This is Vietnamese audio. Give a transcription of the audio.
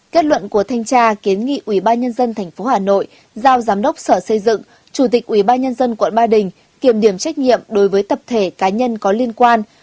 kết luận của thanh tra kiến nghị ủy ban nhân dân thành phố hà nội giao giám đốc sở xây dựng chủ tịch ủy ban nhân dân quận ba đình kiểm điểm trách nhiệm đối với tập thể cá nhân có liên quan